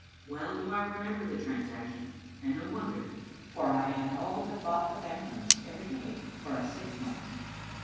Well do I remember the transaction, and no wonder, for I had all but bought the bantams every day for a six months.